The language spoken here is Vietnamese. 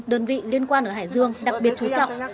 đơn vị liên quan ở hải dương đặc biệt chú trọng